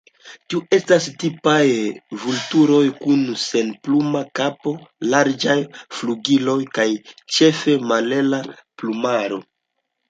Tiuj estas tipaj vulturoj, kun senpluma kapo, larĝaj flugiloj kaj ĉefe malhela plumaro.